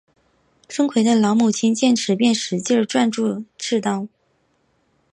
孙奎的老母亲见此便使劲攥住刺刀。